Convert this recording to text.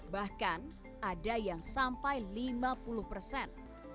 bahkan ada yang sampai lima puluh persen